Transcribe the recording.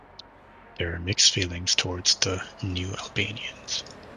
There are mixed feelings towards the "new Albanians".